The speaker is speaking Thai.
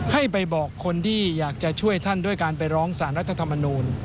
ให้ไปบอกคนที่อยากจะช่วยท่านด้วยการไปร้องสารรัฐธรรมนูล